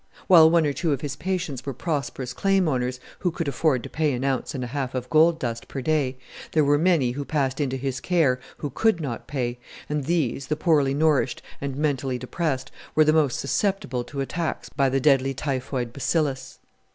While one or two of his patients were prosperous claim owners who could afford to pay an ounce and a half of gold dust per day, there were many who passed into his care who could not pay, and these, the poorly nourished and mentally depressed, were the more susceptible to attacks by the deadly typhoid bacillus.